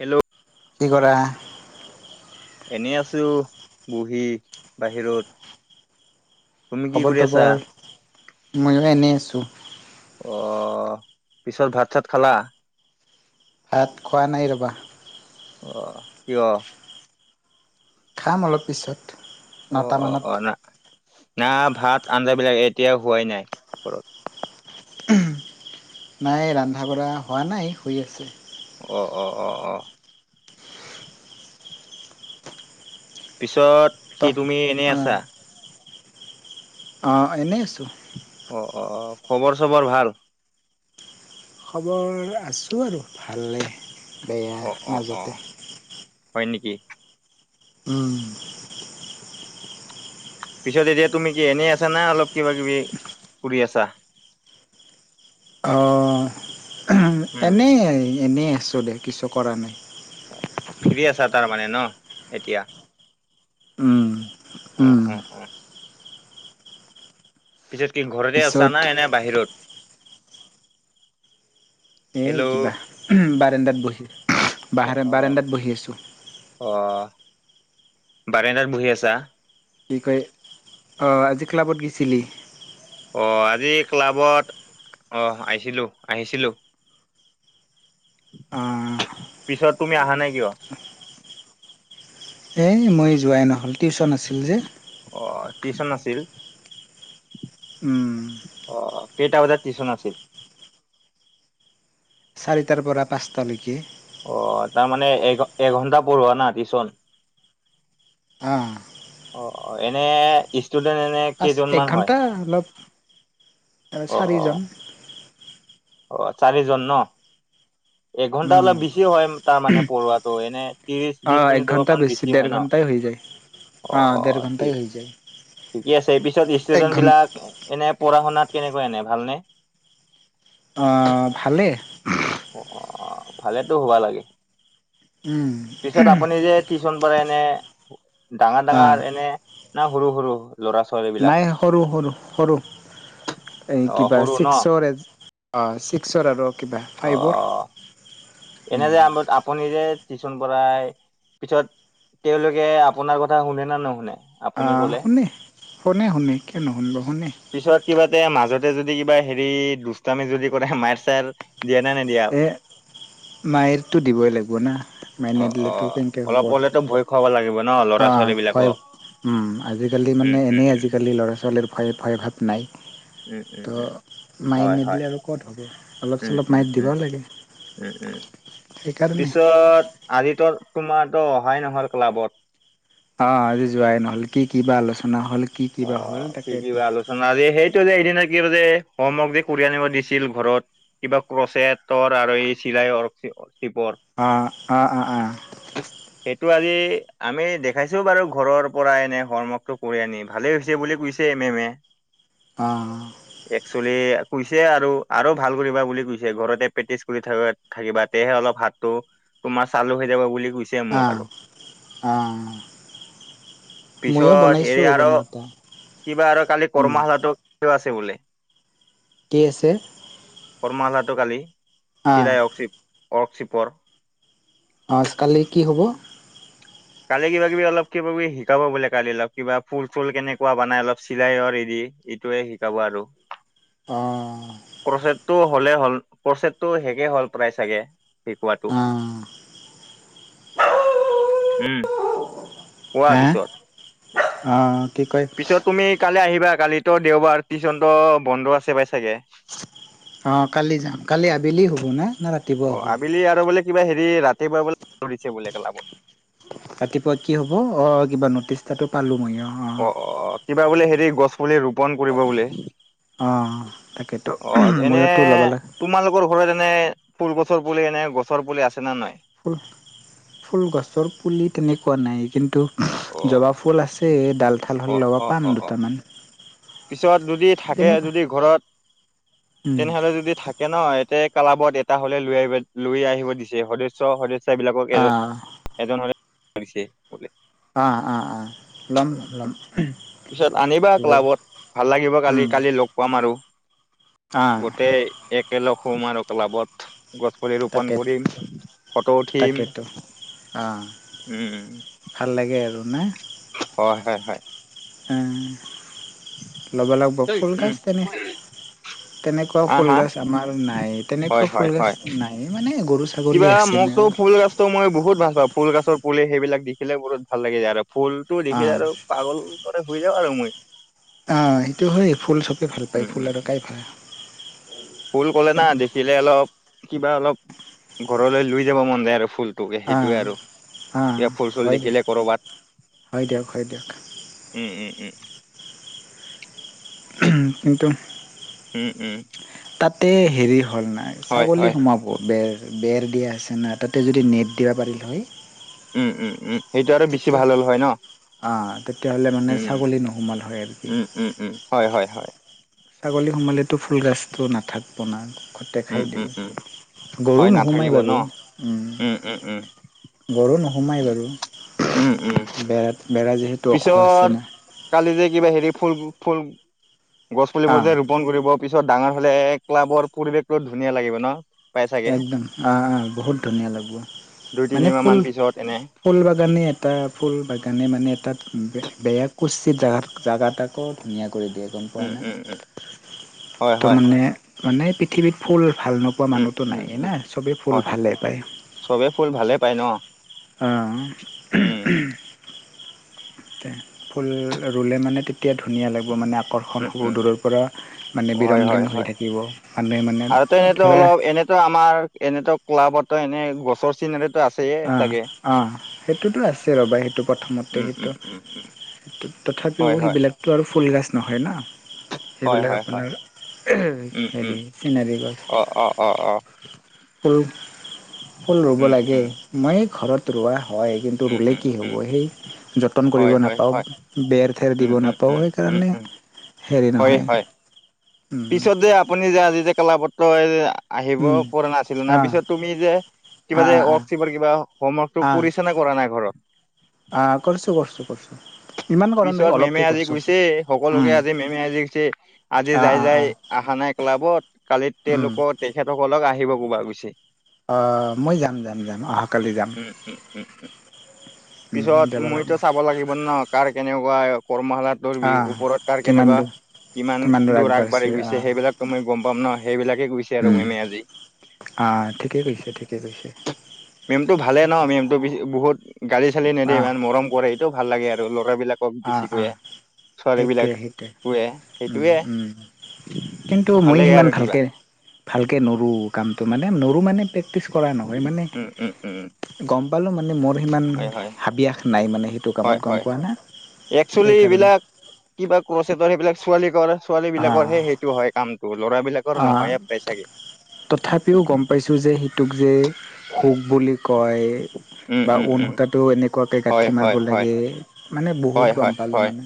Hello কি কৰা। এনেই আছো বহি বাহিৰত। তুমি কি কৰি আছা খবৰদবৰ ময়ো এনেই আছো। অ, পিছত ভাত চাত খালা। হাত খোৱা নাই ৰবা। অহ, কিয়? খাম অলপ পিছত। অ- অ- নটামানত অ, না - না ভাত আঞ্জ বিলাক এতিয়া হোৱাই নাই ঘৰত। নাই ৰন্ধা বঢ়া হোৱা নাই হৈ আছে। অ- অ- অ- অ। পিছত ত কি তুমি এনেই আছা। অ' এনেই আছোঁ। অ' অ' অ' খবৰ চবৰ ভাল? খবৰ আছোঁ আৰু ভালে বেয়া অ অ অ মাজতে। হয় নেকি উম। পিছত এতিয়া তুমি কি এনেই আছা না অলপ কিবা কিবি কৰি আছা? অ'। উম এনেই এনেই আছো দে কিছু কৰা নাই। ফ্ৰী আছা তাৰমানে ন এতিয়া? উম অ উম। অ অ পিছত কি ঘৰতে আছা পিছত না এনে বাহিৰত? এই হেল্ল' কিবা বাৰাণ্ডাত বহি অ অ বাহাৰত বাৰাণ্ডাত বহি আছোঁ। অ'। বাৰেণ্ডাত বহি আছা। কি কয় অ' আজি ক্লাবত গৈছিলি। অ' আজি ক্লাবত অ' আহিছিলোঁ আহিছিলোঁ। অ'। পিছত তুমি আহা নাই কিয়। এই মই যোৱাই নহ'ল টিউচন আছিল যে। অ টিউচন আছিল। উম। অ কেইটা বজাত টিউচন আছিল? চাৰিটাৰ পৰা পাঁচটালৈকে। অ' তাৰমানে এঘ এঘণ্টা পঢ়োৱা না টিচন? অ'। অ' অ' এনে ইছ ষ্টুডেন্ট এনে পাঁচ এক কেইজনমান হয়? ঘণ্টা অলপ অ' চাৰিজন। অ'। অ' চাৰিজন ন। একঘণ্টা উম। অলপ বেছি হয় তাৰমানে পঢ়োৱাটো এনে ত্ৰিছ বিশ অ', এক মিনিট ঘণ্টা অলপমান বেছি ডেৰ হয় ন? ঘণ্টাই হৈ যায়। অ' ডেৰ অ' ঘণ্টাই ঠিক হৈ যায়। ঠিকে আছে। পিছত এক ষ্টুডেন্ট ঘণ্ট বিলাক এনে পঢ়া শুনাত কেনেকোৱা এনে ভাল নে? অ' ভালেই। অ' অ' ভালেতো হবা লাগে। উম। পিছত আপুনি যে টিউচন পঢ়াই এনে ডাঙৰ অ', ডাঙৰ এনে না সৰু সৰু? ল'ৰা ছোৱালী বিলাক নাই সৰু সৰু সৰু। এই অ', কিবা সৰু ন ছিক্সৰ অ' ছিক্সৰ আৰু কিবা ফাইভৰ। অ', এনে যে আ আপুনি যে টিউচন পঢ়াই পিছত তেওঁলোকে আপোনাৰ কথা শুনে নে নুশুনে আপুনি অ', কলে? শুনে। শুনে শুনে কিয় নুশুনিব শুনে। পিছত কিবাতে মাজতে যদি যদি কিবা হেৰি দুষ্টামি যদি কৰে মাৰ চাৰ দিয়া নাই নিদিয়া। এ মায়েৰটো দিবই লাগিব না। মাই অ' নিদিলেতো অ' কেনেকে অলপ হ'ব। হলেতো ভয় খুৱাব লাগিব ন ল'ৰা ছো অ' ভয় ছোৱালীবিলাকক। উম আজিকালি মানে এনেই আজিকালি ল'ৰা ছোৱালীৰ ভয় ভয় ভাৱ নাই। উম, উম, উম, ত' মাৰি হয়, হয়, নিদিলে আৰু ক'ত হ'ব অলপ উম, চলপ উম, মাৰি দিব উম, লাগে। উম উম সেইকাৰণে পিছত আৰিতৰ তোমাৰতো অহাই নহল ক্লাবত। অ' আজি যোৱাই নহল কি কি বা আলোচনা হ'ল? কি কিবা হ'ল অ' কি কি তাকেইতো বা আলোচনা আই আজি সেইটো যে এইদিনা দিছিল যে হোমৱৰ্ক যে কৰি আনিব দিছিল ঘৰত কিবা ক্ৰচেটৰ আৰু এই চিলাইঅৰ সেইবোৰ। অ' অ' অ' অ' সেইটো আজি আমি দেখাইছো বাৰু ঘৰৰ পৰা এনে হৰ্মৱৰ্ক টো কৰি আনি। ভালেই হৈছে বুলি কৈছে এম এম এ অ' একচেলি কৈছে আৰু আৰু ভাল কৰিবা বুলি কৈছে ঘৰতে প্ৰেক্টিচ কৰি থ থাকিবা তেয়হে অলপ হাতটো তোমাৰ চালু হৈ যাব বুলি গুইছে মোক আৰু অ' অ' ময়ো পিছত হৰি বনাইছোঁ আৰু বনাওঁতে কিবা আৰু কালি উম, কৰ্মশালাো আছে বোলে কে আছ এ কৰ্মশালাটো কালি শিলাই ৱৰ্কশিপৰ আজ কালি কি হ'ব কালি কিবা কিবি অলপ কিবা কিবি শিকাব বোলে কালি অলপ কিবা ফুল চুল কেনেকুৱা বনাই অলপ চিলাইৰ এৰি এইটোয়ে শিকাব আৰু অ টো হ'লেই হ'ল প্ৰচছটো শেষেই হ'ল প্ৰায় চাগে শিকোৱাতটো অ' উম কোৱা হা পিছত অ' কি কয় পিছত তুমি কালি আহিবা কালি ত দেওবাৰ তিজনত বন্ধু আছে পাই চাগে অঁ কালি যাম কালি আবেলি হ'ব ন না ৰাতিপুৱা অ হ'ব আবেলি আৰু বোলে কিবা হেৰি ৰাতিপুৱ বলে ধৰিছে বোলে কলাবত ৰাতিপুৱা কি হব অ কিবা নটিছ এটাটো পালো মই অ অ - অ কিবা বোলে হেৰি গছ পুলি ৰোপন কৰিব বোলে। অ, অ তাকেতো এনে ময়োতো ওলাব লাগে তোমালোকৰ ঘৰত এনে ফুল গছৰ পুলি এনে গছৰ পুলি আছে নে নাই। ফুল- ফুল গছৰ পুলি তেনেকুৱা নাই কিন্তু অ জবা ফুল আছে ডালঠাল অ হ'ল লগব অ অ পাম অ দুটামান। পিছত যদি থাকে তেনেকুৱা যদি ঘৰত তেনেহলে যদি থাকে ন ক্লাবত এটা হলে লৈ আহ লৈ আহিব দিছে সদস্য - সদস্য ইচা বিলাকক এজন আহ এজনছে বোলে অ- অ - অ, লম - লম। পিছত আনিবা লৈ ক্লাবত ভাল লাগিব কালি - কালি লগ পাম আৰু। আহ গোটেই একেলগ সোম আৰু ক্লাবত গছ পুলি ৰোপন তাকে কৰিম। ফটো উঠিম তাকেতো আহ উম, ভাল লাগে আৰু না হয় - হয় - হয়। লব লাগিব হয় ফুল উম গছ তেনে তেনেকুৱা হা ফুল হা গছ আমাৰ নাই তেনেকুৱা হয় হয় হয় ফুলগছ নাই মানে গৰু ছাগলী কিবা আছে ন মোকতো ফুল গছটো মই বহুত ভাল পাও ফুল গছৰ পুলি সেইবিলাক দেখিলে বহুত ভাল লাগে যায় আৰু। ফুলটো অ দেখিল আৰু পাগল দৰে শুই যাব আৰু মই। অ, সেইটো হয় ফুল চবে ভাল পায় ফুল উম আৰুকাই ভাল ফুল কলে না দেখিলে অলপ কিবা অলপ ঘৰলৈ লৈ যাব মন যায় আৰু ফুল অ সেইটোয়ে আৰু অ এ ফুল চুল হয় দিয়ক দেখিলে কৰবাত। হয় দিয়ক - হয় দিয়ক। উম উম উম কিন্তু উম উম তাতে হেৰি হ'ল নাই হয় ছাগলী হয় সোমাব বেৰ বেৰ দিয়া আছে না তাতে যদি নেট দিবা পাৰিল হয়। উম - উম - উম সেইটো আৰু বেছি তেতিয়া ভাল হ'ল হয় ন। অ তেতিয়াহ'লে মানে উম ছাগলী নোসোমাল হয় আৰু কি - উম - উম - উম, হয় - হয় - হয়। ছাগলী সোমালেতো ফুলগছটো নাথাকিব নখতে খাই উম উম দিও। উম গৰু হয় নোসোমাই নাথাকিব ন বাৰু উম উম উম গৰু উম, সোমাই বাৰু উম উম বেৰা যিহেতু ওখ আছে পিছত না কালি যে কিবা হেৰি ফুল ফুল গছ আ পুলিবোৰতে ৰোপন কৰিব পিছত ডাঙৰ হ'লে ক্লাবৰ পৰিৱেশটো ধুনীয়া লাগিব ন। পাই চাগে একদম অ - অ বহুত ধুনীয়া লাগিব দুই মানে তিনিমাহ ফুল মান পিছত এনে ফুল বাগানে এটা - ফুল বাগানে মানে এটাত বেয়াগ কচিত জাগাত - জাগাত তাক ধুনীয়া কৰি দিয়ে গম পোৱা উম নাই উম উম হয় তো হয় মানে মানে পৃথিৱীত ফুল ভাল নোপোৱা উম মানুহটো উম নাইেই ন উম চবেই ফুল হয় হয় ভালেই পায়। চবে ফুল ভালে পায় ন অহ উম ', ফুল ৰুলে মানে তেতিয়া ধুনীয়া লাগিব মানে আকৰ্ষণ উম হ'ব উম দূৰৰ পৰা মানে বিৰংগীন হৈ থাকিব মানুহে মানে ততে এনেতো ধৰা অলপ এনেতো আমাৰ এনেত ক্লাবত এনে গছৰ চিন এনে অ-অ সেইটোতো আছে ৰ'বা সেইটো প্ৰথমতে উম সেইটো উম উম উম তথাপিও হয় হয় সেইবিলাকতো আৰু ফুলগছ নহয় না হয় সেইবিলাক হয় হয় আপোনাৰ উম উম হেৰি চিনাৰি গছ। অ অ অ অ ফুল - ফুল ৰুব উম লাগে উম মই ঘৰত ৰুৱা। হয় কিন্তু উম ৰুলে উম কি হ'ব উম সেই যতন কৰিব হয় হয় হয় নাপাও বেৰ ঠেৰ উম দিব উম নাপাও উম উম সেইকাৰণে উম হেৰি হয় নহয়। হয় উম, পিছত যে আপুনি যে আজিয়া কেলাপত্ৰ আহিব উম, পৰা নাছিলো নাৰ অ', পিছত তুমি যে আ কিবা যে আ ৱৰ্ক আ চিপাৰ কিবা হোমৱৰ্কটো কৰিছে নে কৰা নাই ঘৰত। অ' কৰছো-কৰছো-কৰছো। পিছত মেমে আজি কৈছে সকলোকে উম, আজি মেমে আজি কৈছে আজি, আ আ যাই-যাই আ আহা নাই ক্লাবত কালি উম। তেওঁলোকৰ তেখেতসকলক আহিব কোবা কৈছে। মই যাম-যাম-যাম অহা কালি যাম। উম উম উম উম উম পিছত যাব মইতো লাগিব চাব লাগিব ন কাৰ কেনেকুৱা কৰ্মশালাটোৰ বি আহ ওপৰত কাৰ কিমান কেনেকুৱা, দূৰ কিমান দূৰ আগবাঢ়ি গৈছে সেইবিলাকো মই গম পাম নাই। উম, আহ ঠিকেই কৈছে, ঠিকেই কৈছে, মেমতটো ভালে ন সেইটোৱে মেমতটো বহুত গালি চালি নেদে আহ ইমান মৰম কৰে সেইটো ভাল লাগে আৰু ল'ৰা বিলাক বেছি আহ কয়ে আহ ছোৱালী বিলাক সেইটোৱে সেইটোৱে কৱে উম সেইটয়ে উম কিন্তু মই সিমান ভালকে-ভালকে নৰোঁ কামটো মানে ময়ো মানে প্ৰেক্টিছ কৰা নহয় উম উম উম মানে গম পালো মানে মোৰ সিমান হয় হয় হাবিয়াস নাই মানে সেইটো কামত গম পোৱা না। একসুৱেলি সেইকাৰণে এইবিলাক কিবা কচটৰ সেইবিলাক ছোৱালী কৰে। ছোৱালী বিলাকৰ অ' হে সেইটো হয় কামটো। ল'ৰাবিলাকৰ নহয়ে প্ৰায় চাগে তথাপিও গম পাইছোঁ যে সিটোক যে সুখ বুলি কয়। উম বা উম উন উম সূতাটো এনেকুৱাকে হয় গাঁঠি মাৰিব হয় হয় লাগে মানে বহুত হয় গম হয় পালো হয় মানে।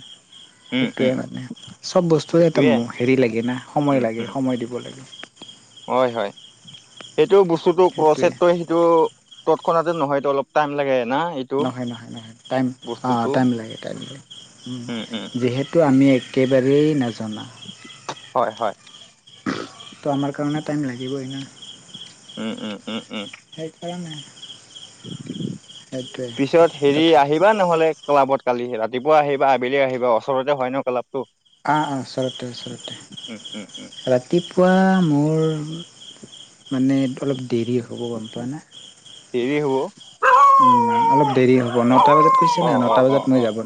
উম সেইটোয়ে উম মানে চব বস্তুৱে এটা সেইটোয়ে হেৰি লাগে না সময় লাগে সময় দিব লাগে। হয়-হয় সেইটো বস্তুতো সেইটোৱে ক্ৰচেতই সেইটো তৎক্ষণা নহয়। অলপ টাইম লাগে। না এইটো নহয়-নহয়-নহয় টাইম বস্তুটো লাগে, টাইম লাগে, উম যিহেতু আমি একেবাৰে এই নাজনা। হয়, হয়। তো আমাৰ কাৰণে টাইম লাগিবই না। উম-উম-উম-উম, সেইকাৰণে সেইটোৱে পিছত হেৰি তথা আহিবা নহলে ক্লাবত। কালি ৰাতিপুৱা আহিবা আবেলি আহিবা ওচৰতে হয় নহয় ক্লাব। অ-অ, ওচৰতে ওচৰতে উম, উম, উম। ৰাতিপুৱা মোৰ ৰ মানে অলপ দেৰি হ'ব গম পোৱা নাই। দেৰি হ'ব। অলপ দেৰি হ'ব নটা বজাত কৈছে না অ', অ', নটা অ', বজাত মই অ'। যাব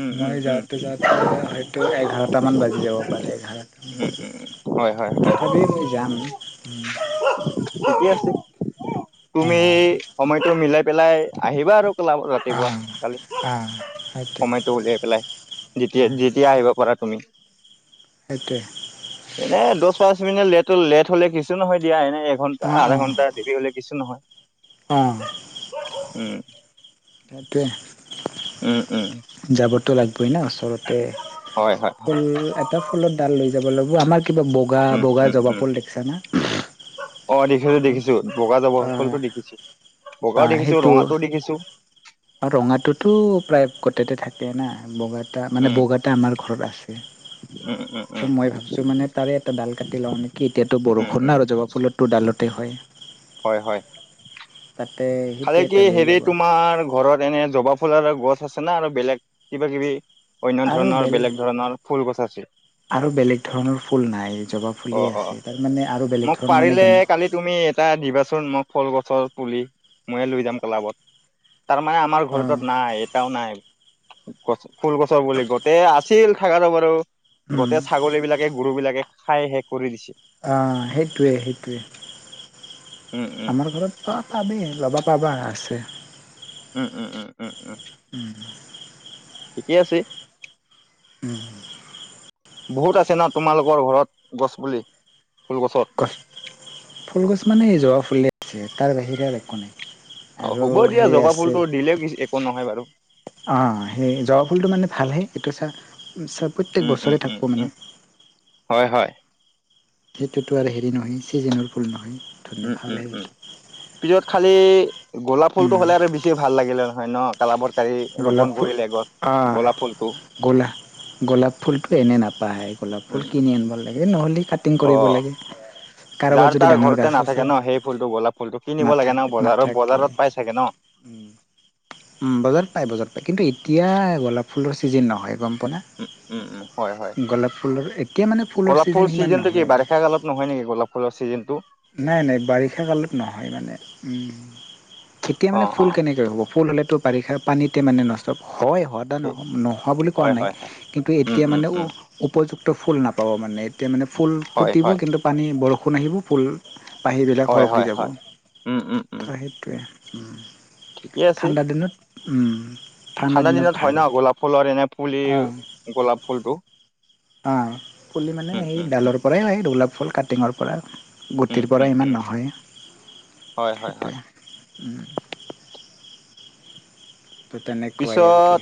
উম, উম, মই উম, যাওঁতে যাওতে হয়টো এঘৰা ছটামান বাজি যাব পাৰে উম, উম। হয়, হয়, এঘাৰটামান হয়। তথাপি মই যাম। উম, থিকেই আছে তুমি সময়টো মিলাই পেলাই আহিবা আৰু। ক্লাবত ৰাতিপুৱা অঁ কালি। অঁ সেইটোৱে সময়তটো উলিয়াই পেলাই অঁ যেতিয়া-যেতিয়া আহিব পাৰা তুমি। সেইটোৱে এনে দচ, পাঁচ মিনিট লেট-লেট হ'লে কিছু নহয় দিয়া এনে এঘন্টা আধা ঘণ্টা দেৰি হলে কিছু নহয়। অ', উম-উম-উম, যাবতো লাগিবই না ওচৰতে হয়, হয়, হয়, ফুল এটা ফুলত ডাল লৈ যাব লাগিব আমাক কিবা উম, বগা-বগা উম, জবা উম। ফুল দেখছা না। দেখিছো বগা জাবৰ অঁ ফলটো দেখিছো অঁ বগাও দেখিছো সেইটো ৰঙাটোও দেখিছো। আৰু ৰঙাটোতো প্ৰায় গোতেটো থাকে। না বগাটা মানে উম, বগাটা আমাৰ ঘৰত আছে। উম, উম, উম, ত' মই ভাবছো মানে তাৰে এটা ডাল কাটি লও নেকি এতিয়াতো উম, বৰষুণ না আৰু জবা ফুলত তোৰ ডালত। তে হয়। হয়-হয়। তাতে সেইটো খালে কি এটা লৈ হেৰি যাব তোমাৰ ঘৰত এনে জবা ফুলাৰ গছ আছে না আৰু বেলেগ কিবা কিবি অন্য আৰু ধৰণৰ বেল বেলেগ ধৰণৰ ফুল গছ আছে আৰু বেলেগ ধৰণৰ ফুল নাই জবা অ ফুলেই অ আছে তাৰমানে আৰু বেলেগ মোক ধৰণৰ মানে পাৰিলে জ্ঞান কালি তুমি এটা দিবাচোন মই ফল কৰ ওচৰত পুলি ময়ে লৈ যাম ক্লাবত তাৰমানে আমাৰ অ' ঘৰৰতত নাই এটাও নাই গছ ফুল গছৰ বুলি গোটেই আছিল খাগা বাৰু উম। গোটেই ছাগলী বিলাকে গৰু বিলাকে খাই শেষ কৰি দিছে অ সেইটোৱে সেইটোৱে উম উম আমাৰ ঘৰত ত পাবি ল'বা পাবা আছে উম উম উম উম উম উম ঠিকেই আছে উম বহুত আছে ন তোমালোকৰ ঘৰত গছপুলি গছ ফুল গছ মানে জোৱাা ফুলে আছে তাৰ বাহিৰে আৰু একো নাই অ আৰু হ'ব দিয়া সেই জবা আছে ফুলতটো দিলে একো নহয় বাৰু অঁ সেই জোৱা ফুলটো মানে ভালহে এইটো চা প্ৰত্যেক উম উম বছৰে উম থাকিব উম মানে হয় হয় সেইটোতো আৰু হেৰি নহয় ছিজেনৰ ফুল নহয় ধুনীয়া উম ভাল উম হে উম সেইটো পিছত খালি গোলাপ ফুলটো উম, হ'লে আৰু বেছি ভাল লাগিলে নহয় ন কালাবৰ কাৰি গোলাপ ৰোপন ফুল কৰিলে গছ অঁ গোলাপ ফুলটো গোলা গোলাপ ফুলটো এনেই নাপাহে গোলাপ ফুল উম কিনি আনিব লাগে নহলে কাটিং অ কৰিব লাগে কাৰোবাৰ যাৰ যদি তাৰ ডাঙৰ ঘৰতে গছ নাথাকে আছে ন সেই ফুলটো গোলাপ ফুলটো কিনিব লাগে নাথাক ন বজাৰত নাথাক অে বজাৰত পাই চাগে ন বজাৰ পায় বজাৰ পায় কিন্তু এতিয়া গলাপ ফুলৰ ছিজিন নহয় আপনা উম, উম, উম, হয়, হয়। গোলাপ ফুলৰ এতিয়া মানে ফুলৰ ছিজন সিমান নহয় গলাপ ফুলৰ চিজন টো নাই নাই বাৰিষা কালত নহয় মানে এতিয়া মানে অ', ফুল অ', কেনেকৈ হ'ব ফুল হ'লেতো বাৰিষা পানীতে মানে নষ্ট হয় হোৱাদা এই, নহ নোহোৱা বুলি কোৱা হয়, নাই হয়, হয়। কিন্তু উম, এতিয়া উম, মানে উম, উপযুক্ত তো ফুল নাপাব মানে এতিয়া মানে ফুল হয়, ফুটিব হয়, কিন্তু পানী বৰষুণ আহিব ফুল পাহীবিলাক হয়, সৰকি হয়, যাব হয়। উম, উম, উম, তো সেইটোৱে ঠিকে আছে। ঠাণ্ডাাদিনত ঠাণ্ডা দিনত হয় ন গোলাপ ফুলৰ এনে পুলি গোলাপ ফুলটো অ পুলি মানে উম, সেই উম, উম, ডালৰ পৰাই আহ োলাপ ফুল কাটিঙৰ পৰা উম, গুটিৰ পৰা উম, উম, ইমান নহয় হয়, হয়, সেইটোৱে হয়। উম ত পিছত তেনেেক্ট ায়াৰ কি